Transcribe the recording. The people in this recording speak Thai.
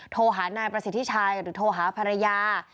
โทรหานายประสิทธิชัยหรือโทรหาภรรยา